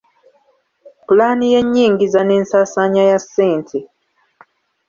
Pulaani y’ennyingiza n’ensasaanya ya ssente.